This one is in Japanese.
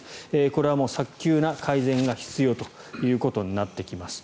これは早急な改善が必要となってきます。